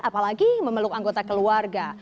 apalagi memeluk anggota keluarga